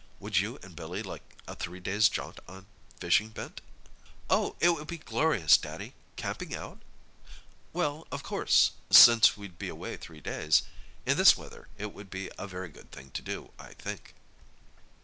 Would you and Billy like a three days' jaunt on fishing bent?" "Oh, it would be glorious, Daddy! Camping out?" "Well, of course—since we'd be away three days. In this weather it would be a very good thing to do, I think."